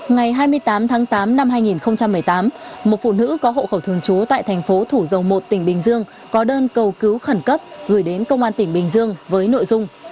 ngày hai mươi tám tháng tám năm hai nghìn một mươi tám một phụ nữ có hộ khẩu thường trú tại thành phố thủ dầu một tỉnh bình dương có đơn cầu cứu khẩn cấp gửi đến công an tỉnh bình dương với nội dung